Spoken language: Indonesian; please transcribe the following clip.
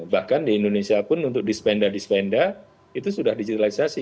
bahkan di indonesia pun untuk dispenda dispenda itu sudah digitalisasi